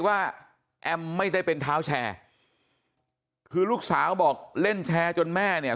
ว่าแอมไม่ได้เป็นเท้าแชร์คือลูกสาวบอกเล่นแชร์จนแม่เนี่ย